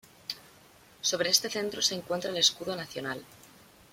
Sobre este centro se encuentra el escudo nacional.